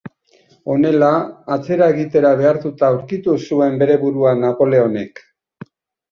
Honela, atzera egitera behartuta aurkitu zuen bere burua Napoleonek.